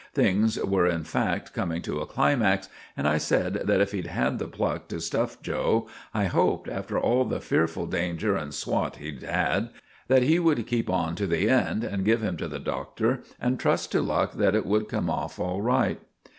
Things were, in fact, coming to a climax, and I said that as he'd had the pluck to stuff 'Joe,' I hoped, after all the fearful danger and swot we'd had, that he would keep on to the end and give him to the Doctor and trust to luck that it would come off all right.